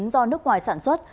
do nước ngoài sản xuất